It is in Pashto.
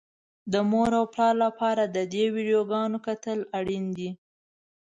د مور او پلار لپاره د دې ويډيوګانو کتل اړين دي.